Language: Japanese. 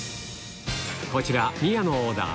こちら宮野オーダー